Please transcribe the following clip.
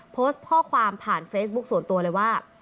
โพสต์ข้อความผ่านเฟซบุ๊คส่วนตัวเลยว่า